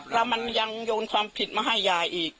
แล้วมันยังโยนความผิดมาให้ยายอีก